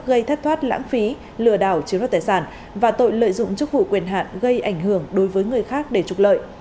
gây thất thoát lãng phí lừa đảo chiếm đoạt tài sản và tội lợi dụng chức vụ quyền hạn gây ảnh hưởng đối với người khác để trục lợi